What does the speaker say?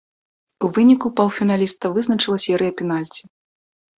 У выніку паўфіналіста вызначыла серыя пенальці.